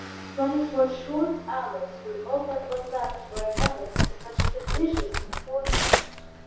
Twenty four short hours were all that was left for an event of such prodigious importance.